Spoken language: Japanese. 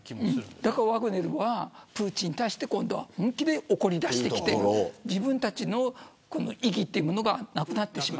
だからワグネルはプーチンに対して今度は本気で怒り出して自分たちの意義がなくなってしまう。